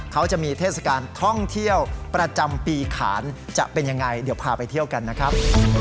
เขาจะมีเทศกาลท่องเที่ยวประจำปีขานจะเป็นยังไงเดี๋ยวพาไปเที่ยวกันนะครับ